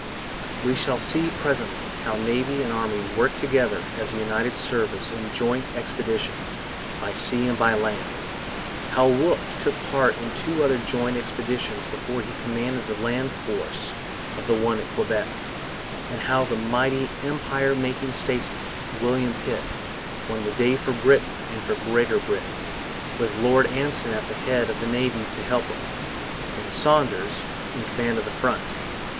We shall see presently how Navy and Army worked together as a united service in 'joint expeditions' by sea and land, how Wolfe took part in two other joint expeditions before he commanded the land force of the one at Quebec, and how the mighty empire making statesman, William Pitt, won the day for Britain and for Greater Britain, with Lord Anson at the head of the Navy to help him, and Saunders in command at the front.